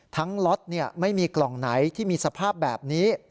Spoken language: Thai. ล็อตไม่มีกล่องไหนที่มีสภาพแบบนี้